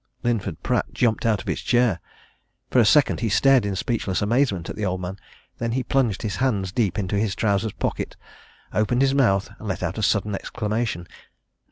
Linford Pratt jumped out of his chair. For a second he stared in speechless amazement at the old man; then he plunged his hands deep into his trousers' pockets, opened his mouth, and let out a sudden exclamation.